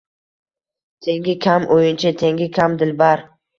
Tengi kam o’yinchi, tengi kam dilbar